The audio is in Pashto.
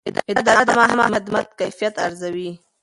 اداره د عامه خدمت کیفیت ارزوي.